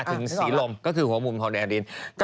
ตรงนนทั้งเวิร์ศ